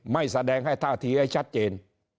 ไม่แสดงให้ท่าทีให้ชัดเจน